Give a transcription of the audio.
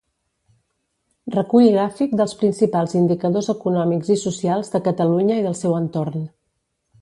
Recull gràfic dels principals indicadors econòmics i socials de Catalunya i del seu entorn.